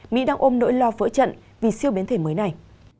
mỹ đang ôm nỗi lo vỡ trận vì siêu biến thể mới này